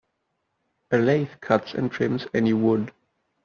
A lathe cuts and trims any wood.